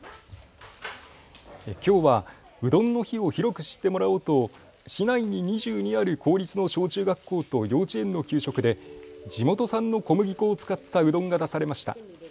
きょうはうどんの日を広く知ってもらおうと市内に２２ある公立の小中学校と幼稚園の給食で地元産の小麦粉を使ったうどんが出されました。